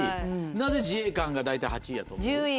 なぜ自衛官が大体８位やと思う？